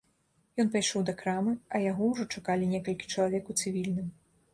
Ён пайшоў да крамы, а яго ўжо чакалі некалькі чалавек у цывільным.